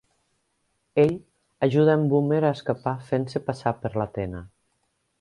Ell ajuda en Boomer a escapar fent-se passar per l'Athena.